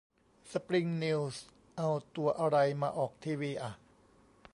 สปริงนิวส์เอาตัวอะไรมาออกทีวีอ่ะ